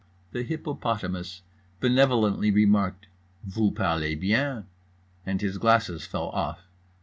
The hippopotamus benevolently remarked "Voo parlez bien," and his glasses fell off.